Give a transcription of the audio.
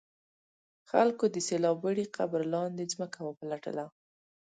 خلکو د سیلاب وړي قبر لاندې ځمکه وپلټله.